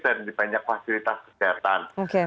dan di banyak fasilitas kesehatan